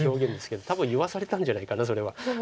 多分言わされたんじゃないかなそれは。